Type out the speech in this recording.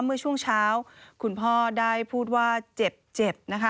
เมื่อช่วงเช้าคุณพ่อได้พูดว่าเจ็บนะคะ